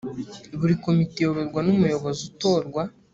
buri komite iyoborwa n’umuyobozi utorwa